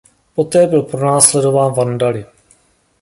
Poté byl pronásledován Vandaly.